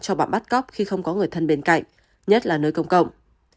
cho bọn bắt cóc khi không có người thân bên cạnh nhất là nơi công cộng